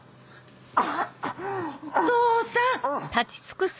お父さん！